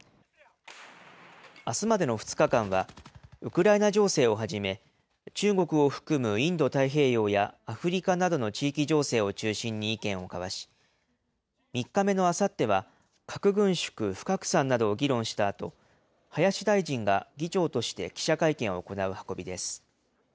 あすまでの２日間は、ウクライナ情勢をはじめ、中国を含むインド太平洋や、アフリカなどの地域情勢を中心に意見を交わし、３日目のあさっては、核軍縮・不拡散などを議論したあと、林大臣が議長として記者会見を行う運びです。